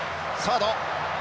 サード。